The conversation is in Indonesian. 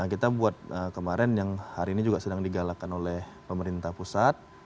kita buat kemarin yang hari ini juga sedang digalakan oleh pemerintah pusat